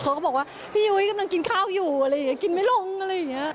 เขาก็บอกว่าพี่ยุ้ยกำลังกินข้าวอยู่อะไรอย่างนี้กินไม่ลงอะไรอย่างเงี้ย